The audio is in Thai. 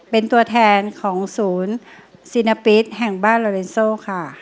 เป็นตัวแทนของศูนย์ซีนาปิศแห่งบ้านโลเลนโซค่ะ